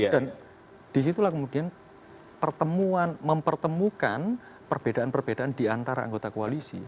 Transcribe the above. dan disitulah kemudian pertemuan mempertemukan perbedaan perbedaan diantara anggota koalisi